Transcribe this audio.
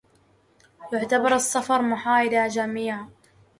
يعتبر الصفر محايدا جمعيا